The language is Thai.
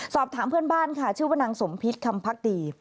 สอบถามเพื่อนบ้านค่ะชื่อว่านางสมพิษคำพักดี